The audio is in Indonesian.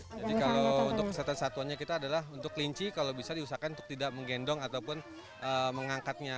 jadi kalau untuk kesetan satuannya kita adalah untuk kelinci kalau bisa diusahakan untuk tidak menggendong ataupun mengangkatnya